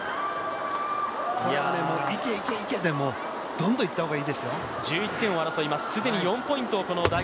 これはもういけいけで、どんどんいった方がいいですよ。